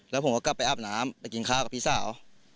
แล้วผมก็กลับไปอาบน้ำไปกินข้าวกับพี่สาว